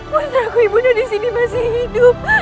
putraku ibu bunda disini masih hidup